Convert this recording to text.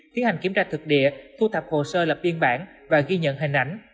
tiến hành kiểm tra thực địa thu thập hồ sơ lập biên bản và ghi nhận hình ảnh